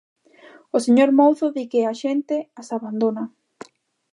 O señor Mouzo di que a xente as abandona.